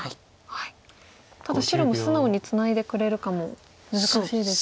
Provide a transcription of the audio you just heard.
ただ白も素直にツナいでくれるかも難しいですよね。